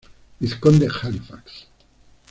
Vizconde Halifax.